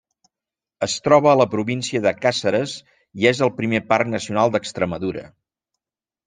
Es troba a la província de Càceres, i és el primer parc nacional d'Extremadura.